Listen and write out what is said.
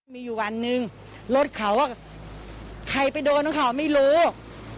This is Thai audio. มีอยู่วันหนึ่งรถเขาใครไปโดนของเขาไม่รู้